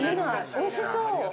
おいしそう。